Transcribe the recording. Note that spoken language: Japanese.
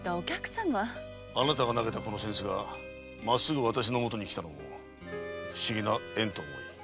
あなたが投げたこの扇子がまっすぐ私のもとに来たのも不思議な縁と思い。